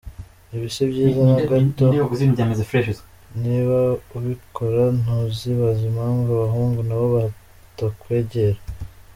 ibi si byiza na gato, niba ubikora ntuzibaze impamvu abahungu nabo batakwegera.